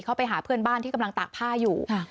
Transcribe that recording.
ไปหาเพื่อนบ้านที่กำลังตากผ้าอยู่